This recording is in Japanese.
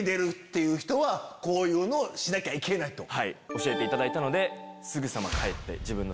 教えていただいたので。